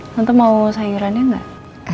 tante mau sayurannya gak